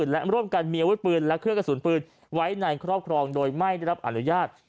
และร่วมกันมีอาวุธปืนและเครื่องกระสุนปืนไว้ในครอบครองโดยไม่ได้รับอนุญาต